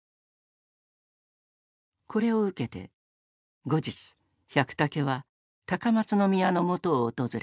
これを受けて後日百武は高松宮のもとを訪れた。